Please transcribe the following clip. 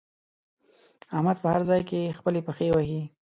احمد په هر ځای کې خپلې پښې وهي.